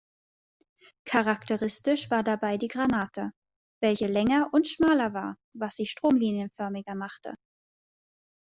Charakteristisch war dabei die Granate, welche länger und schmaler war, was sie stromlinienförmiger machte.